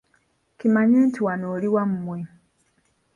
Kimanye nti wano oli wammwe.